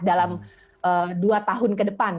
dalam dua tahun ke depan